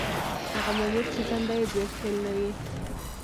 هغه مامور چې دنده یې بالفعل نه وي.